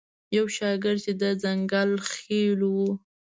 یو شاګرد چې د ځنګل خیلو و.